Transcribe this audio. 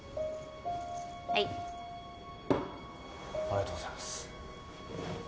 ありがとうございます。